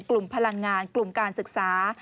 กลุ่มพลังงานกลุ่มการศึกษา